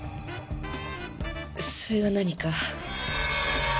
それが何か？